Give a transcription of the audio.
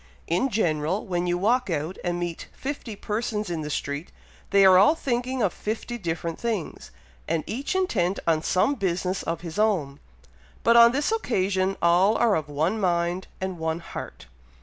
In general, when you walk out and meet fifty persons in the street, they are all thinking of fifty different things, and each intent on some business of his own, but on this occasion all are of one mind and one heart."